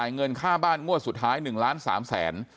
เงินค่าบ้านงวดสุดท้าย๑๓๐๐๐๐๐บาท